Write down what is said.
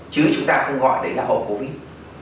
chứ chúng ta không gọi đấy là hậu covid